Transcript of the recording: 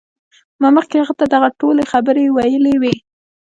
ما مخکې هغه ته دغه ټولې خبرې ویلې وې